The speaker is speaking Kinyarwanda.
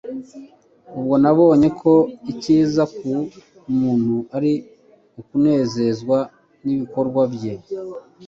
ubwo nabonye ko icyiza ku muntu ari ukunezezwa n'ibikorwa bye